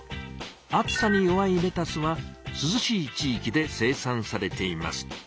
暑さに弱いレタスはすずしい地いきで生産されています。